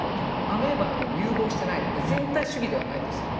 アメーバのように融合してないので全体主義ではないんですよ。